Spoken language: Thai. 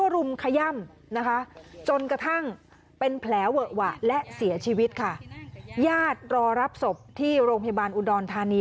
รอรับศพที่โรงพยาบาลอุดรณ์ธานี